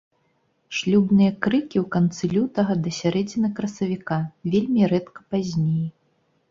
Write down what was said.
Шлюбныя крыкі ў канцы лютага да сярэдзіны красавіка, вельмі рэдка пазней.